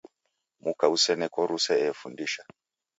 Muka useneko rusa efundisha